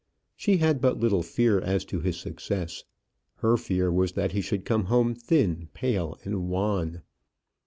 She had but little fear as to his success; her fear was that he should come home thin, pale, and wan.